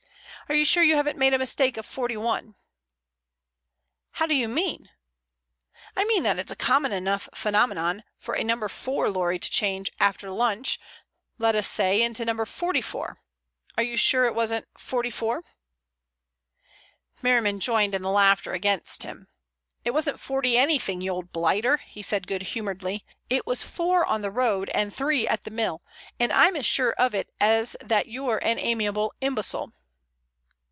Are you sure you haven't made a mistake of 41?" "How do you mean?" "I mean that it's a common enough phenomenon for a No. 4 lorry to change, after lunch, let us say, into No. 44. Are you sure it wasn't 44?" Merriman joined in the laughter against him. "It wasn't forty anything, you old blighter," he said good humoredly. "It was 4 on the road, and 3 at the mill, and I'm as sure of it as that you're an amiable imbecile."